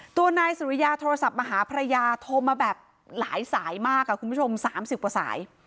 ตัวนายสุริยาโทรศัพท์มาหาภรรยาโทรมาแบบหลายสายมากคุณผู้ชม๓๐กว่าสาย